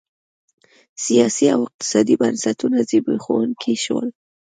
سیاسي او اقتصادي بنسټونه زبېښونکي شول